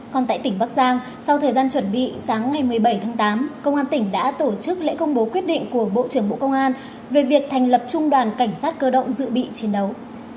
còn tại tỉnh bắc giang sau thời gian chuẩn bị sáng ngày một mươi bảy tháng tám công an tỉnh đã tổ chức lễ công bố quyết định của bộ trưởng bộ công an về việc thành lập trung đoàn cảnh sát cơ động dự bị chiến đấu